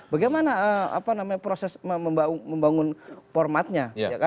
bagaimana proses membangun formatnya